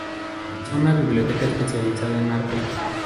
Posee una biblioteca especializada en arte.